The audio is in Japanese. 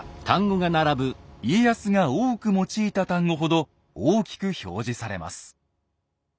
家康が多く用いた単語ほど大きく表示されます。